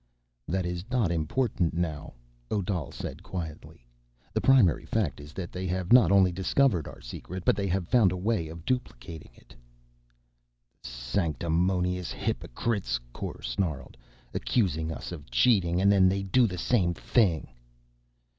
"That is not important now," Odal said quietly. "The primary fact is that they have not only discovered our secret, but they have found a way of duplicating it." "The sanctimonious hypocrites," Kor snarled, "accusing us of cheating, and then they do the same thing."